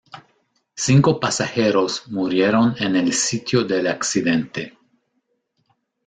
Cinco pasajeros murieron en el sitio del accidente.